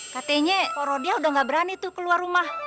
katanya koro dia udah nggak berani tuh keluar rumah